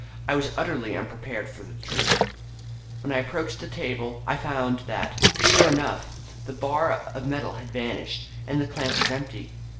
I was utterly unprepared for the truth. "When I approached the table I found, sure enough, that the bar of metal had vanished, and that the clamp was empty.